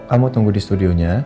kamu tunggu di studionya